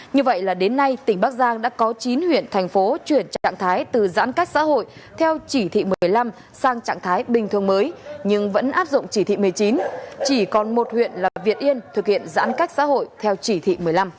như vậy là đến nay tỉnh bắc giang đã có chín huyện thành phố chuyển trạng thái từ giãn cách xã hội theo chỉ thị một mươi năm sang trạng thái bình thường mới nhưng vẫn áp dụng chỉ thị một mươi chín chỉ còn một huyện là việt yên thực hiện giãn cách xã hội theo chỉ thị một mươi năm